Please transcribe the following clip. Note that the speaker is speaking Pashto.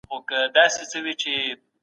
حقوقپوهان به خلګو ته ازادي ورکړي.